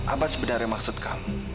apa sebenarnya maksud kamu